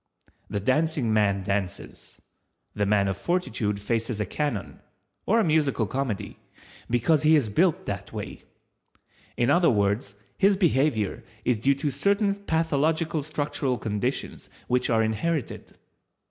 The Dancing man dances, the man of Fortitude faces a cannon—or a musical comedy—because he is built that way. In other words, his behavior is due to certain pathological structural conditions which are inherited.